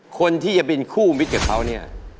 คนที่จะเป็นคู่มิตรกับเขาเนี่ย